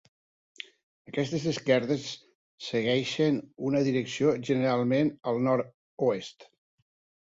Aquestes esquerdes segueixen una direcció generalment al nord-oest.